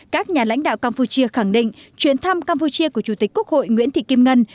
các nhà lãnh đạo campuchia khẳng định chuyến thăm campuchia của chủ tịch quốc hội nguyễn thị kim ngân